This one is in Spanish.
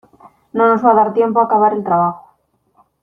No nos va a dar tiempo a acabar el trabajo.